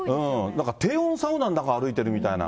なんか低温サウナの中、歩いてるみたいな。